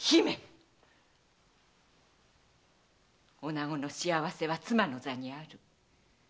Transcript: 女子の幸せは妻の座にある。